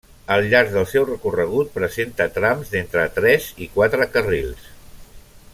Al llarg del seu recorregut presenta trams d'entre tres i quatre carrils.